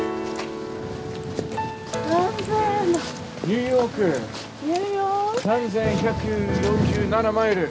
ニューヨーク３，１４７マイル。